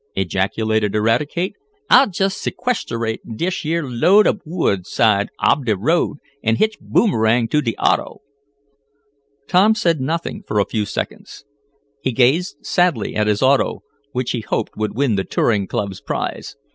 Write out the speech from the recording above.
ejaculated Eradicate. "I'll jest sequesterate dish year load ob wood side ob de road, an' hitch Boomerang to de auto." Tom said nothing for a few seconds. He gazed sadly at his auto, which he hoped would win the touring club's prize.